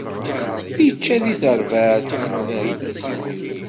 Ičča di tbarda-s, am uɣyul.